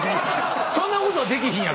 そんなことできひんやろ。